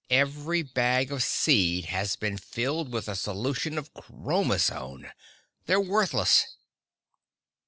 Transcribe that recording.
"Every bag of seed has been filled with a solution of chromazone! They're worthless!"